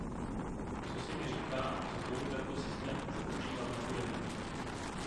Cosi mi říká, že znovu tento systém už používat nebudeme.